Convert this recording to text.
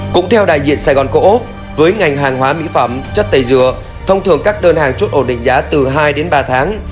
cũng theo đại diện sài gòn cổ úc với ngành hàng hóa mỹ phẩm chất tẩy dừa thông thường các đơn hàng chốt ổn định giá từ hai đến ba tháng